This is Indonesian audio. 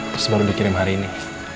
terus baru dikirim hari ini